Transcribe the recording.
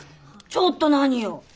ちょっと何よ？